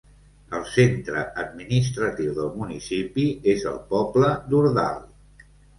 El centre administratiu del municipi és el poble d'Hurdal.